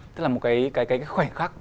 thế là một cái khoảnh khắc